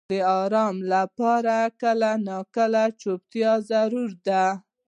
• د آرامۍ لپاره کله ناکله چوپتیا ضروري ده.